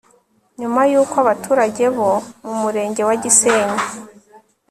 nyuma y'uko abaturage bo mu murenge wa gisenyi